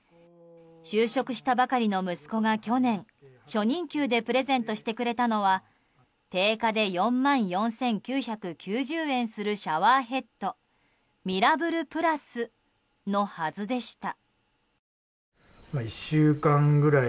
就職したばかりの息子が去年初任給でプレゼントしてくれたのは定価で４万４９９０円するシャワーヘッドミラブルプラスのはずでした。